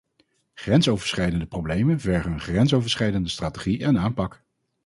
Grensoverschrijdende problemen vergen een grensoverschrijdende strategie en aanpak.